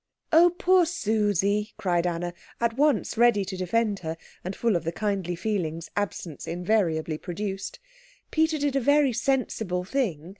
"Oh, poor Susie!" cried Anna, at once ready to defend her, and full of the kindly feelings absence invariably produced. "Peter did a very sensible thing.